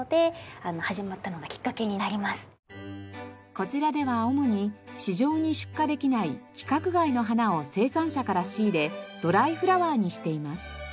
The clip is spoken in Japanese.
こちらでは主に市場に出荷できない規格外の花を生産者から仕入れドライフラワーにしています。